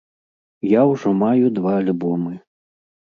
Я ўжо маю два альбомы.